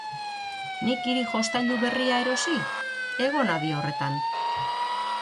Nik hiri jostailu berria erosi? Egon hadi horretan!